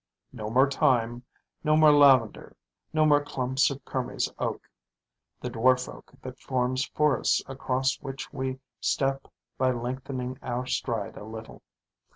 No more thyme, no more lavender, no more clumps of kermes oak, the dwarf oak that forms forests across which we step by lengthening our stride a little.